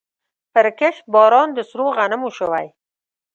پرکښت باران د سرو غنمو شوی